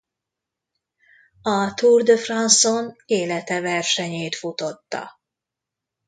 A Tour de France-on élete versenyét futotta.